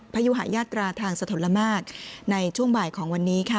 ยุหายาตราทางสะทนละมากในช่วงบ่ายของวันนี้ค่ะ